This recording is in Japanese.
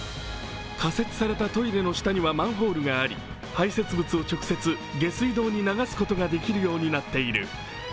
仮設されたトイレの下にはマンホールがあり、排せつ物を直接下水道に流すことができるようになっている。